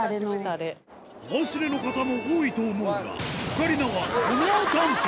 お忘れの方も多いと思うがホッ！